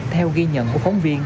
theo ghi nhận của phóng viên